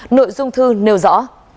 nội dung thư nêu rõ